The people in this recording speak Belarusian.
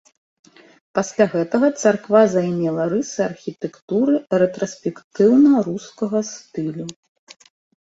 Пасля гэтага царква займела рысы архітэктуры рэтраспектыўна-рускага стылю.